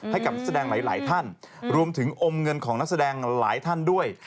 ให้กับนักแสดงหลายท่านรวมถึงอมเงินของนักแสดงหลายท่านด้วย